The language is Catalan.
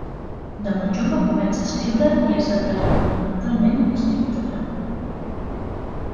De molt jove comença a escriure i es declara fonamentalment escriptora.